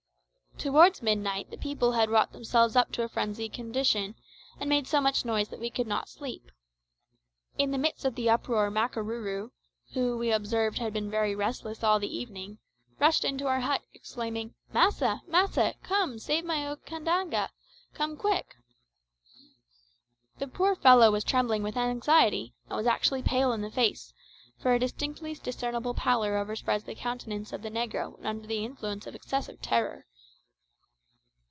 Towards midnight the people had wrought themselves up to a frenzied condition, and made so much noise that we could not sleep. In the midst of the uproar Makarooroo, who we observed had been very restless all the evening, rushed into our hut, exclaiming, "Massa! massa! come, save my Okandaga! come quick!" The poor fellow was trembling with anxiety, and was actually pale in the face; for a distinctly discernible pallor overspreads the countenance of the negro when under the influence of excessive terror.